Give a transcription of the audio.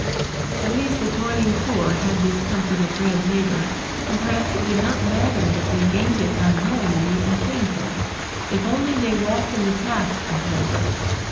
At least the toiling poor had this comfort of bread labor, and perhaps it did not matter that they gained it unknowingly and painfully, if only they walked in the path of labor.